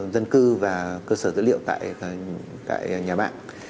dân cư và cơ sở dữ liệu tại nhà mạng